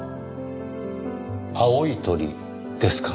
青い鳥ですか。